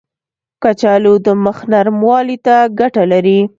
کچالو د مخ نرموالي ته ګټه لري.